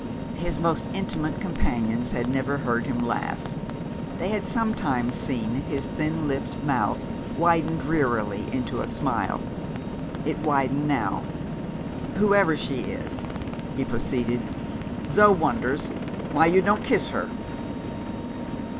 His most intimate companions had never heard him laugh: they had sometimes seen his thin lipped mouth widen drearily into a smile. It widened now. "Whoever she is," he proceeded, "Zo wonders why you don't kiss her."